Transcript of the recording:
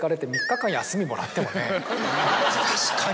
確かに。